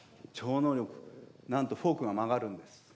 なんとフォークが曲がるんです。